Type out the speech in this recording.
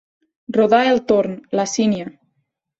Rodar el torn, la sínia.